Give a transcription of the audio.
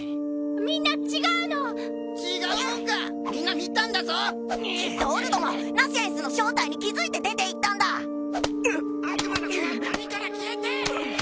みんな違うの違うもんかみんな見たんだぞきっとオルドもナシエンスの正体に気づいて出て行ったんだ・悪魔の子は谷から消えて！